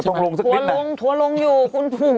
ถั่วลงอยู่ขุนผู้